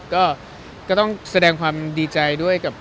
ก็ต้องแสดงความดีใจด้วยกับ